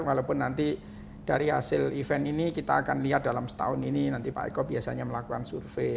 walaupun nanti dari hasil event ini kita akan lihat dalam setahun ini nanti pak eko biasanya melakukan survei